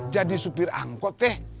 jadi supir angkot deh